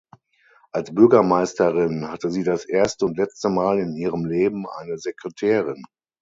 Als Bürgermeisterin hatte sie das erste und letzte Mal in ihrem Leben eine Sekretärin.